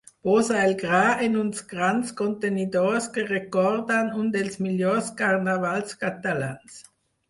Posa el gra en uns grans contenidors que recorden un dels millors carnavals catalans.